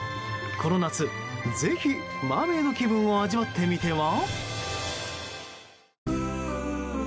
この夏、ぜひマーメイド気分を味わってみては？